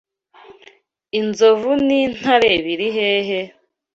Inzovu n’intare biri hehe?